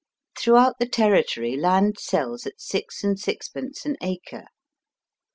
Throughout the Territory land sells at six and sixpence an acre.